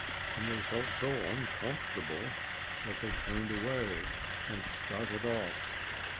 And they felt so uncomfortable that they turned away and started off.